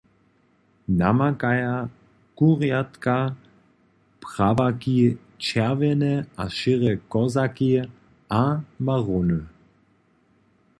Namakaja kurjatka, prawaki, čerwjene a šěre kozaki a marony.